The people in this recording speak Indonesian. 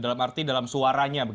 dalam arti dalam suaranya